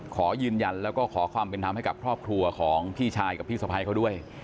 ขอยืนยันแล้วก็ขอความเป็นธรรมให้กับครอบครัวของพี่ชายกับพี่สะพ้ายเขาด้วย